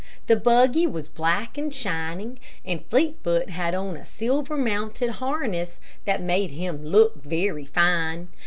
The buggy was black and shining, and Fleetfoot had on a silver mounted harness that made him look very fine.